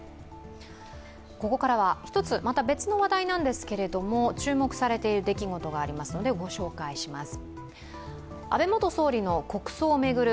ここからは一つまた別の問題なんですけれども、注目されている出来事がありますので、ご紹介します。